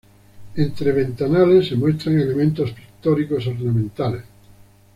Entre ventanales se muestran elementos pictóricos ornamentales.